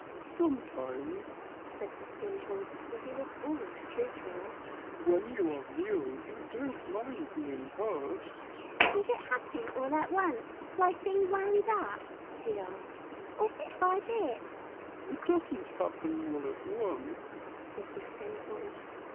"Sometimes," said the Skin Horse, for he was always truthful. "When you are Real you don't mind being hurt." "Does it happen all at once, like being wound up," he asked, "or bit by bit?" "It doesn't happen all at once," said the Skin Horse.